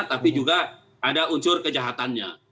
tapi juga ada unsur kejahatannya